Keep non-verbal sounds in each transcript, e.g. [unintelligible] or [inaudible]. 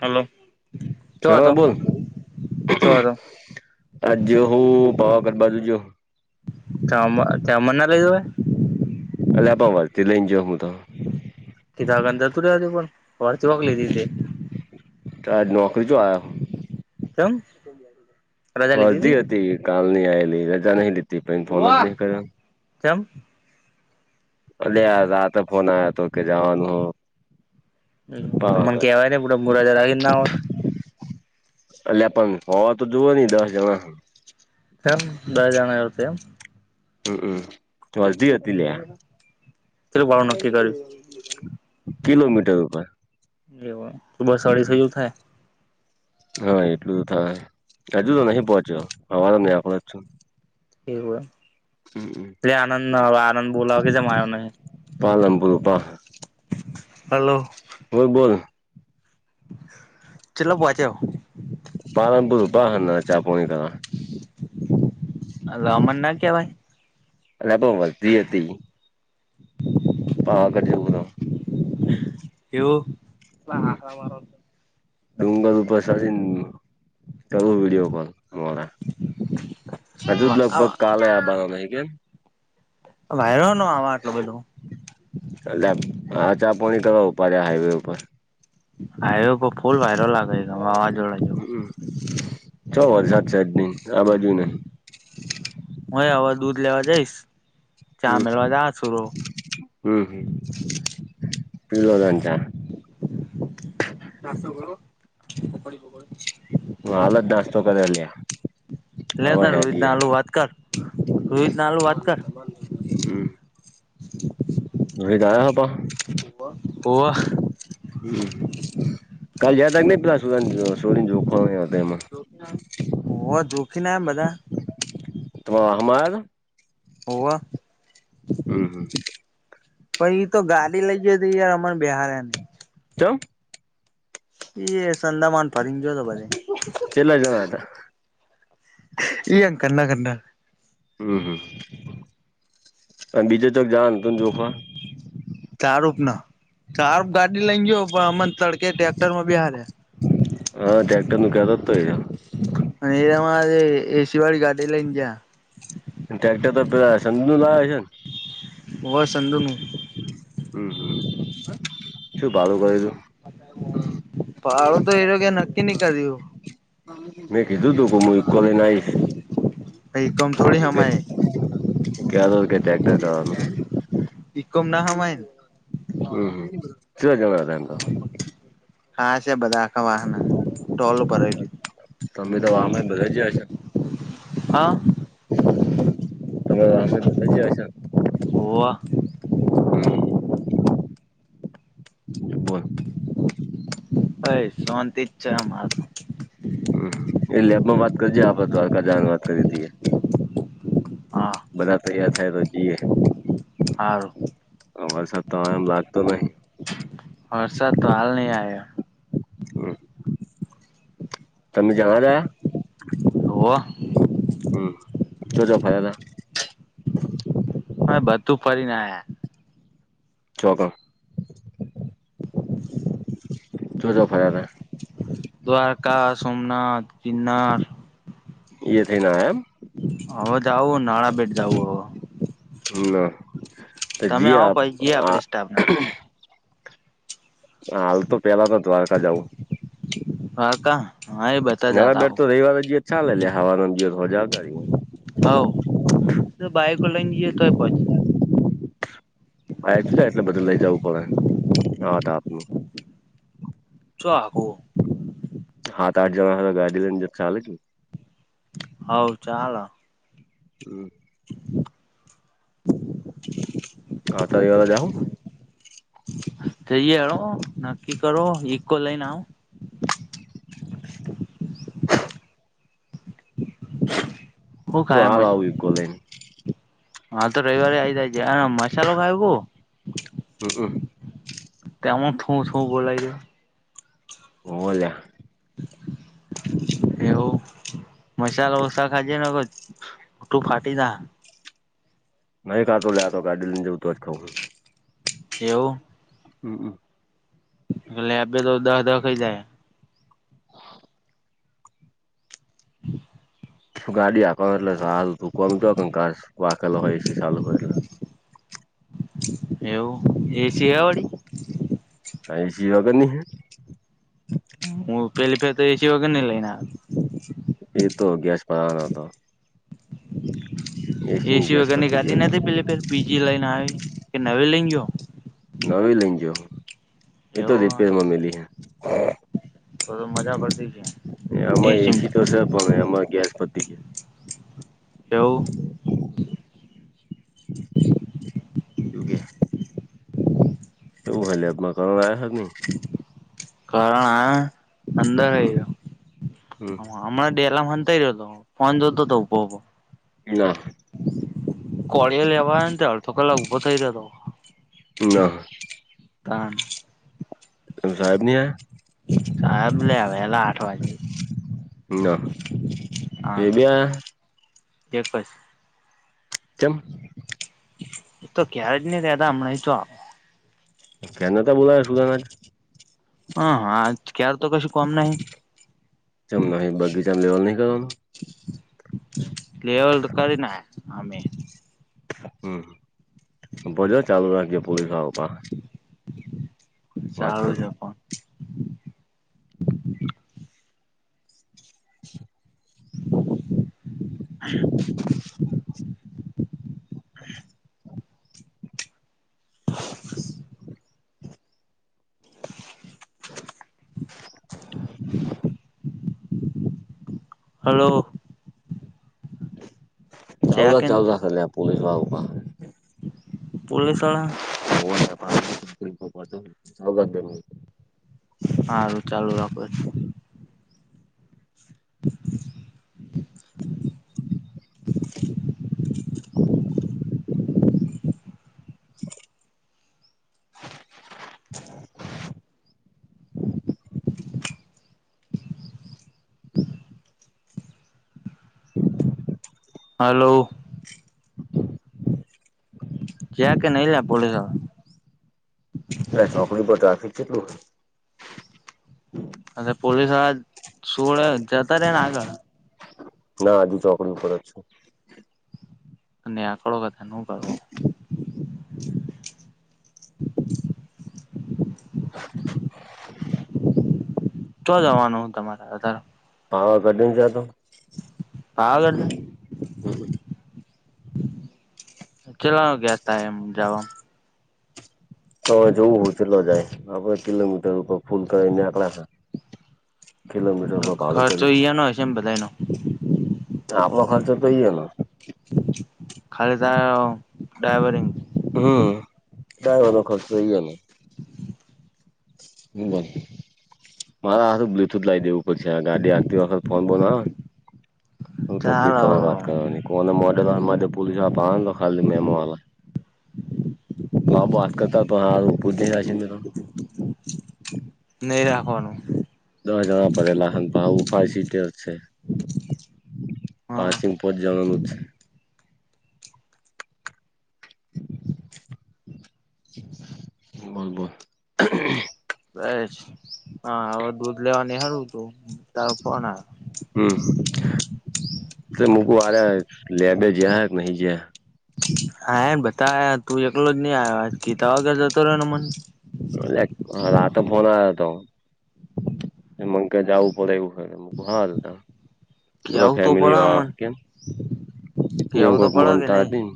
Hello. ચો હા હતો બોલ. ચો હતો આજે હું પાવાગઢ બાજુ ગીયો. કામમાં. અલે પણ વર્તી લઈને ગીયો હું તો. [unintelligible] તો આજ નોકરી ચ્યો આયો. કેમ. વરધી હતી કાલની આએલી રજા નહી લીધી પછી ફોન જ નહી કર્યો. કેમ. અલ્યા રાતે ફોન આયો તો કે જવાનું હો. તો મને પાવાગઢ કહેવાય ને. [unintelligible] અલ્યા પણ હોવા તો જુઓ નઇ દસ જણા. કેમ દહ જણા આવતે એમ. હમ્મ હમ્મ વરદી હતી અલ્યા. કેટલું ભાડું નક્કી કર્યું કિલોમીટર ઉપુર. એવું તો બસ [unintelligible] થાય. હા એટલું થાય હજુ તો નહીં પહોંચ્યો અવાર નેકડુ છું એવું એમ. બોલાવે કે જેમ આવ્યો નહી હલો [unintelligible] બોલ, બોલ. [inaudible] પાલનપુર હના ચા પોણી કરા. હા અમણ ના કેવાય. [unintelligible] એવું [unintelligible] ડુંગર ઉપર સડીને કરું વિડીયો કોલ. મોડા હજુ લગભગ કાલે આબના [unintelligible] વાયરો નો આવા આટલો બધો. એલા ચા પાણી કરવા ઉભા રહ્યા હાઈવે ઉપર. આયો ફૂલ વાયરો લાગે વાવાઝોડા જેવો હમ ચો વરસાદ છે જ નહીં. આ બાજુ નહીં. હું એ હવે દૂધ લેવા જઈશ ચા મેળવા [unintelligible] હમ, હમ. [inaudible] [unintelligible] [unintelligible] હાલ જ નાસ્તો કર્યો લ્યા લે હવે તાર રોહિત ના હેડીએ આલુ વાત કર રોહિત ને આલુ વાત કર. હમ. [unintelligible] હોવ. હમ કાલ જયા તા નહી પેલા [unintelligible] સોરીને જોખ એમાં. હોવ દુઃખી ને આયા એમ બધા. [unintelligible] હોવ હમ. પણ એ તો ગાડી લઈ જ હતી યાર અમાર બિહારની ચમ. એ સંંદામાન ફરીને ગયો તો ભલે. કેટલા જણા હતા એ ઘરના ઘરના. હમ-હમ. અને બીજું [unintelligible] હતું જોખમાં. [unintelligible] ગાડી લઈ ગયો પણ અમને તડકે ટ્રેક્ટર માં બેહાડયા. હા ટ્રેક્ટર નું કેદ તો [unintelligible] અને એમાં આજે એસી વાળી ગાડી લઈને ગયા. ટ્રેક્ટર તો પેલા સદું લાયા છે ને. [unintelligible] હમ હમ શું ભારું ભરયુંતું? પાળો તો એરોકે નક્કી ની કર્યું. મે કિધુંતું મે ઈકકો લઈને આવીશ. ઈકકોમાં થોડી હમાય. [inaudible] હમ ઇકોમ ના હમાય ને હમ ચેટલા જના હતા એમ તો? હા છે બધા આખા વાહના ટોલ ઉપર તમે તો [unintelligible] હા બધા જયા [unintelligible] તમારા [unintelligible] હોવા. હમ. બોલો. અ શાંતિ જ છે અમારે હ એ લેબ માં વાત કરીજે આપડે દ્વારકા જની વાત કરી હતીએ. હા બધા તૈયાર થાય તો જઈએ. હારું અ વરસાદ તો એમ લાગતો નહી. હર્ષ તો હાલ ન આયા. તમે જણા જ હો હમ જો જ ફ તા હવે બધું ફરી ને આયા. જોગમ. જોજો ફરદ હતા. દ્વારકા સોમનાથ ગિનરા. એ થઈને આયા હવે જવું નાણા બેેટ જવું હવે. મ ના જ તમે આવો પછ જઈએ આ આપડે સ્ટાફને હાલ તો પેલા તો દ્વારકા જવું. દ્વારકા હા એ બધા ઘણા જતા બેર તો રવિવાર જત ચાલેે લે હવાનું જત હોજ આવતા ર હઉ તો બાાયકો લઈ જે તો પોચીએ. આ જાય એટલે બધું લઇ જવું પડે હ આપું. ચું હકો. હા આઠ જણા ગાડી લાય ચાલે. હવ ચાલે. હમ. હ [unintelligible] હા તૈયાર અજ આવુ. જઈ હળો નક્કી કરો ઈકો લઈને આવ. [inaudible] તો ખાય હાલ આવ મશીન ઈકો લઈને. હા તો રવિવારે આ જાય છે મસાલો ખાય બઉ. હમમ તમન થું થુંં બોય છે. હોવે લયા.. એવું મસલા વસા ખાજે ને કોઠું ફાટી તા નહીંતો લેતો ગાડી લઈને જવું તો જ ખઉ છું. કેવું. હમ હમ. કલે એબ તો દસ દખઈ જાય. શું ગાડી આપવાનું એટલે હાલ તૂકવા તો કાસ વાખેલો હોય છે ચાલુ હોય એટલે એવું એસી વાળી. હ એસી વગરની હે. હું પેલી પે તો એસી વગર નહી લઈને આવ્યો. એતો ગેસ પવાનો હતો. એસી ગેસ વગેરની પતી ગાી ગયો ના હતી પેે પી. બીજી લાઈન આવી કે નવે લિ ગયો નવી લઈનજો એતો એવું રિપેરમાં મલી હે. તો તો મજા પડતી છે આમાં એસી તો સા ભ ગેસ પતી તેઓ. એવું કે. એવું હલે અમાં કર આવ્યા છે નહી. કારણ આ અંદર હમ ગયો. હમ હ હમણાં ડેલા મન થઈ જતો ફોન જોતો હતોભો. ના કોળીયો લેવા આયો ને તો અડધો કલાક ઉભો થઇ રેલો ના તણ તમે સાહેબ ની આયા સાહેબ લે વેલા આઠ વાગે ન આ [unintelligible] તેમ એ તો ક્યારે જ ની રેતા હમણાં તો [unintelligible] હ હા ક્યાં ચમના બગીચા લેવાલ ની કેવાનું [inaudible] લેવલ કરી [unintelligible] ના અમે હમ ઉભો રે ચાલુ રાખજે [unintelligible] વાત ચાલું કરું છે ફોન [inaudible] [inaudible] [inaudible] [inaudible] હલો ચાલુ જયા રાખ કે ચાલુ રાખ પુલીસ વાળા ઉભા હે પુલીસ વાળા [inaudible] હારું ચાલુ રાખો [inaudible] [inaudible] [inaudible] હલો ક્યા કે નઈ લા પોલીસ વાળા ચોકડી પર ટ્રાફિક કેટલું હોય અને પુલીસ વાળા સોડે જતા રે ને આગળ ના હજુ ચોકડી ઉપર જ છું અને આંકળો [inaudible] [inaudible] તો જવાનુ તમાર અતાર પાવાગઢ નહીં જાતો પાવાગઢ [unintelligible] તોવે જોવું હું તેટલો જાય આપડે કિલોમીટર ઉપર ફૂલ કરીને આકડા છે કિલોમીટરમાં ભો ખર્ચો ઈયાનો હશે ને [unintelligible] બધાનો આપડો ખર્ચો તોઈ અલો [inaudible] તારો ડ્રાઈવરિંગ હમ ડ્રાંઇવર નો ખરચો ઈ અલગ હ બો મારા હારૂ બ્લુથુથ લાવી દેવું છે ગાડી આકતી વખત ફોન ફોન આવે તો ચાલ તકલીફ પડે વાત કરવાની [unintelligible] ખાલી મેમો આલે [unintelligible] નઈ રાખવાનું [unintelligible] હા પાંચિંગ પદ જવાનુ છે બોલ બોલ બેસ હા હવે દૂધ લેવાની હરું તું ફોન આવે હમ મકું આરે લેબે જયા કે નહી જયા. આયા બતાયા તું એકલો જ નહી આયો કિધા વગર જતો રહ્યોને મન. આ રાતે ફોન આયો તો. એમુકે જાવું પડે એવું હોય હા ત. પૂરા કેવું તો ફેમીલી પડે મને વારા કેમ એ કેવું તો કોક પડે કે મનતા નહી હતી.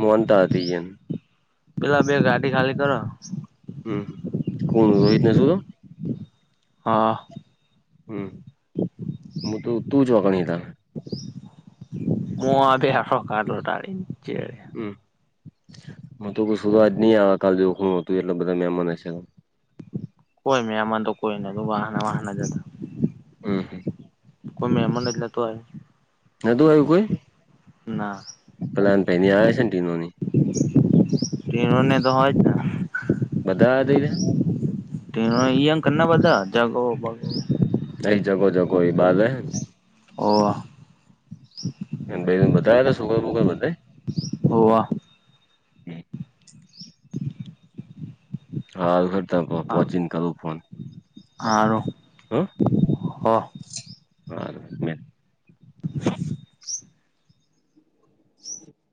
માનતા હતતી એમ. પેલા બે ગાડી ખાલી કરો હમ કોનું રેટ શું તો. હા હમ હું તો તું જોગળીયા ઘણી રાખ. મુ હા બેઠો ખાટલો ઢાળી ને. હમ હું તો [unintelligible] નહી આવે કલ જેવું શું હતું એટલે બધા મે મને છે [unintelligible] કોઈ મેમાન તો કોઈ નતું વાહન વહન જ હતા. હમ હમ. કોઈ મહેમાન જ નોતુ આયુ. ના. પ્લાન પેની આવે ટીનુ ની. ટીનુ ની તો હોય જ ને. બધા આયા ટીનો અહિયા કના બધા જગો બગો. કઈ જગો જગો ઇ બાલ હે. હોવ એ બેન બતાયા તા છોકરા બોકરા બધાયે. હોવા. સારું હેડ ત્યાર પહોચીને કરું ફોન હારુ હારું હા હો હા. હારુ હેડ મેલ. બસ. હ [inaudible]